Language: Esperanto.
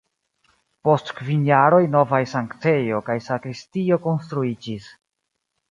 Post kvin jaroj novaj sanktejo kaj sakristio konstruiĝis.